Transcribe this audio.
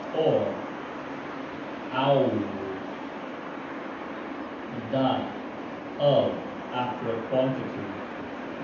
da : of (after a quantity).